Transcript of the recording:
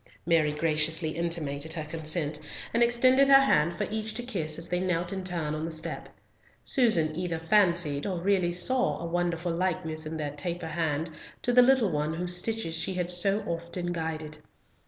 Mary graciously intimated her consent, and extended her hand for each to kiss as they knelt in turn on the step; Susan either fancied, or really saw a wonderful likeness in that taper hand to the little one whose stitches she had so often guided.